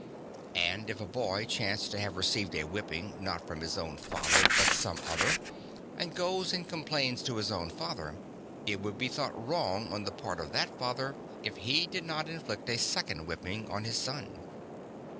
And, if a boy chance to have received a whipping, not from his own father but some other, and goes and complains to his own father, it would be thought wrong on the part of that father if he did not inflict a second whipping on his son.